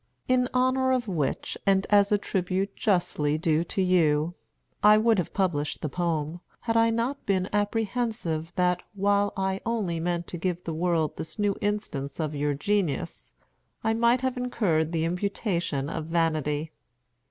In honor of which, and as a tribute justly due to you, I would have published the poem, had I not been apprehensive that, while I only meant to give the world this new instance of your genius, I might have incurred the imputation of vanity.